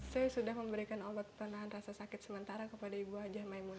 saya sudah memberikan obat penahan rasa sakit sementara kepada ibu haja maimun